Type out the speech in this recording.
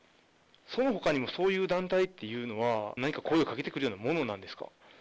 そのほかにもそういう団体っていうのは、何か声をかけてくるようなものなんですか？